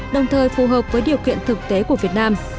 đồng thời phù hợp với điều kiện thực tế của việt nam